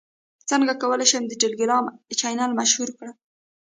څنګه کولی شم د ټیلیګرام چینل مشهور کړم